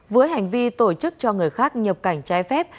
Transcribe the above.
với hành vi tổ chức cho người khác nhập cảnh trái phép